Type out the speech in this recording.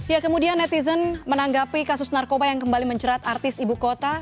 ya kemudian netizen menanggapi kasus narkoba yang kembali menjerat artis ibu kota